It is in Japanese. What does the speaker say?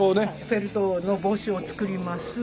フェルトの帽子を作ります。